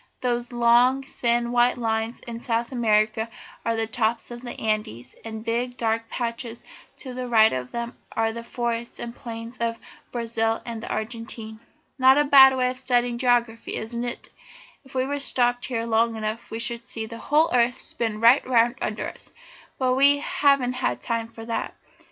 "Those long thin white lines in South America are the tops of the Andes, and the big, dark patches to the right of them are the forests and plains of Brazil and the Argentine. Not a bad way of studying geography, is it? If we stopped here long enough we should see the whole earth spin right round under us, but we haven't time for that.